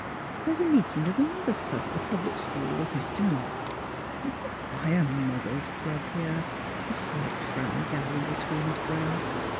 '* There is a meet ing of the Mothers' Club at the public school this afternoon." " But why a Mothers' Club? " he asked, a slight frown gathering between his brows.